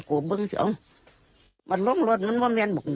สองเมื่อนอยู่แล้วคือไว้มาคนเดียว